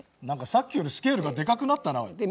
何かさっきよりスケールがでかくなったなおい。